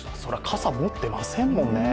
傘、持ってませんもんね。